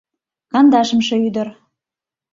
Кандашымше ӱдыр.